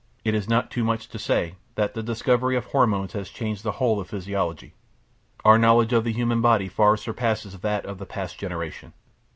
It is not too much to say that the discovery of hormones has changed the whole of physiology. Our knowledge of the human body far surpasses that of the past generation.